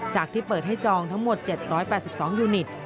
ที่เปิดให้จองทั้งหมด๗๘๒ยูนิต